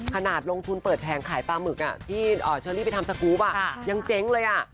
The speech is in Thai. ขนาดลงทุนเปิดแผงขายปลาหมึกที่เชอรี่ไปทำสกรูปยังเจ๊งเลย